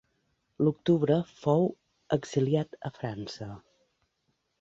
L'octubre fou exiliat a França.